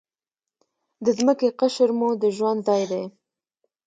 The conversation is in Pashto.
د ځمکې قشر مو د ژوند ځای دی.